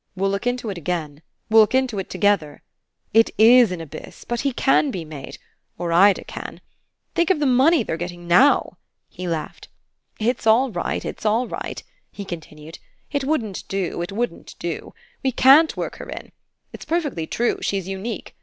"We'll look into it again; we'll look into it together. It IS an abyss, but he CAN be made or Ida can. Think of the money they're getting now!" he laughed. "It's all right, it's all right," he continued. "It wouldn't do it wouldn't do. We CAN'T work her in. It's perfectly true she's unique.